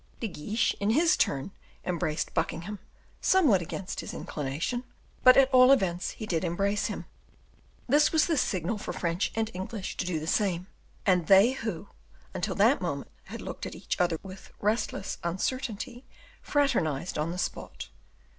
De Guiche, in his turn, embraced Buckingham somewhat against his inclination; but, at all events, he did embrace him. This was the signal for French and English to do the same; and they who, until that moment, had looked at each other with restless uncertainty, fraternized on the spot.